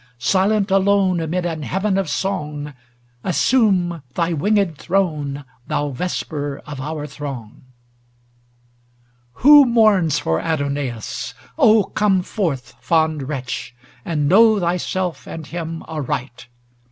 Silent alone amid an Heaven of song. Assume thy winged throne, thou Vesper of our throng !' XLVII Who mourns for Adonais ? Oh, come forth. Fond wretch ! and know thyself and him aright.